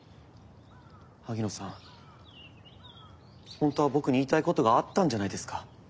本当は僕に言いたいことがあったんじゃないですか？